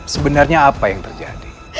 sebenarnya apa yang terjadi